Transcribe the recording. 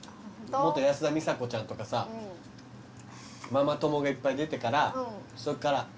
もっと安田美沙子ちゃんとかさママ友がいっぱい出てからそっから。